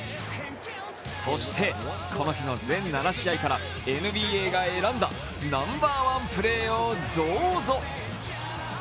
そして、この日の全７試合からＮＢＡが選んだナンバーワンプレーをどうぞ。